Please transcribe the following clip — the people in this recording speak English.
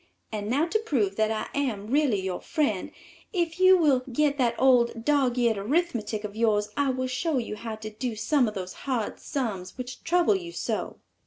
And now to prove that I am really your friend, if you will get that old dogeared arithmetic of yours, I will show you how to do some of those hard sums which trouble you so."